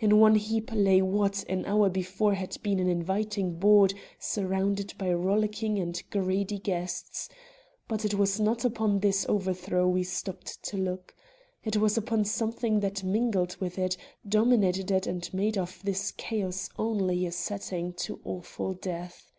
In one heap lay what, an hour before, had been an inviting board surrounded by rollicking and greedy guests. But it was not upon this overthrow we stopped to look. It was upon something that mingled with it, dominated it and made of this chaos only a setting to awful death.